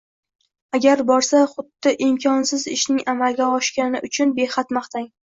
Agar borsa – xuddi imkonsiz ishni amalgani uchun behad maqtang.